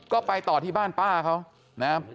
ก็ไปต่อที่บ้านป้าเขานะครับ